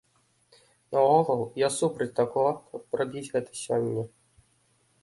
Наогул, я супраць таго, каб рабіць гэта сёння.